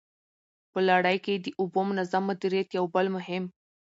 په لړۍ کي د اوبو د منظم مديريت يو بل مهم